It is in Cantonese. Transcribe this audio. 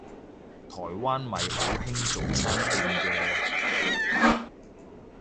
台灣咪好興早餐店嘅